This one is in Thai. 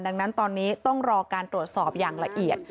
ดังนั้นตอนนี้ต้องรอการตรวจสอบอย่างละเอียด